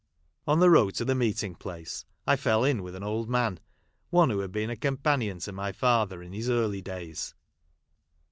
On the road to the meeting place I fell in with an old man, — one who had been a com panion to my father in his early days.